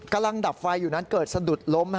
ดับไฟอยู่นั้นเกิดสะดุดล้ม